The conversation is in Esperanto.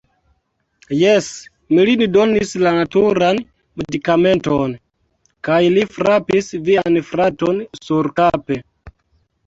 Jes, mi lin donis la naturan medikamenton. Kaj li frapis vian fraton surkape.